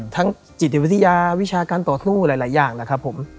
จิตวิทยาวิชาการต่อสู้หลายอย่างนะครับผม